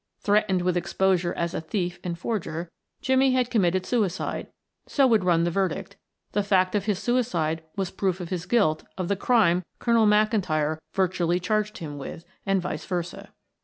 Threatened with exposure as a thief and forger, Jimmie had committed suicide, so would run the verdict; the fact of his suicide was proof of his guilt of the crime Colonel McIntyre virtually charged him with, and vice versa.